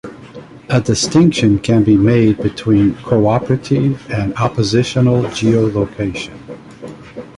A distinction can be made between "co-operative" and "oppositional" geolocation.